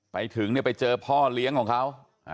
ไปถึงเนี่ยไปเจอพ่อเลี้ยงของเขา